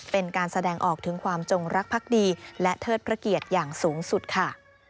เป็นการแสดงออกถึงความจงรักพักดีและเทิดพระเกียรติอย่างสูงสุดค่ะ